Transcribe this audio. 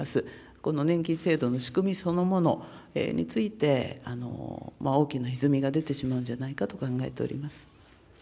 この年金制度の仕組みそのものについて、大きなひずみが出てしまうんじゃないかと考えております。